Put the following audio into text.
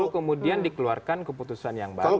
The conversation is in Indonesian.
baru kemudian dikeluarkan keputusan yang baru